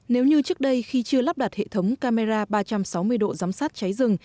nếu như trước đây khi chưa lắp đặt hệ thống camera ba trăm sáu mươi độ giám sát cháy rừng